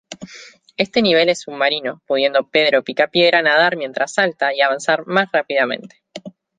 Este nivel es submarino, pudiendo Pedro Picapiedra nadar mientras salta y avanzar más rápidamente.